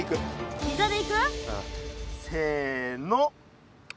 ひざでいく？せの！